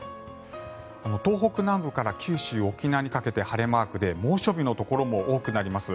東北南部から九州、沖縄にかけて晴れマークで猛暑日のところも多くなります。